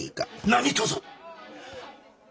何とぞ。